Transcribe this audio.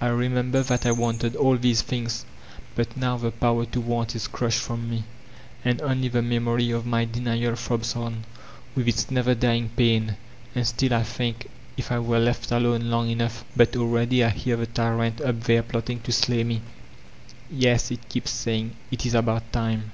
I re member that I wanted all these things, but now the power to want is crushed from me, and only the memory of my denial throbs on, with its never dying pain. And stitl I think, if I were left alone long enough — but already I hear the Tyrant up there plotting to slay me. — ^'•Yes," it keeps saying, "it is about time